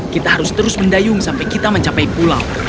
kita harus terus mendayung sampai kita mencapai pulau